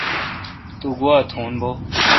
تو گوا تھ بھو۔